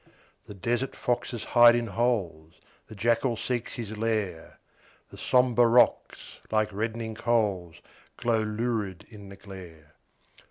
The desert foxes hide in holes, The jackal seeks his lair; The sombre rocks, like reddening coals, Glow lurid in the glare.